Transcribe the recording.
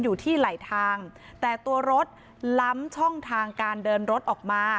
อยู่ที่ไหลทางแต่ตัวรถล้ำช่องทางการเดินรถออกมา